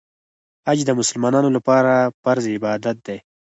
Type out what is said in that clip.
حج د مسلمانانو لپاره فرض عبادت دی.